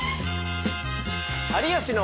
「有吉の」。